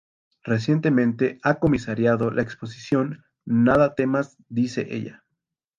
Recientemente ha comisariado la exposición "Nada temas, dice ella.